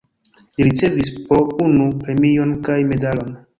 Li ricevis po unu premion kaj medalon.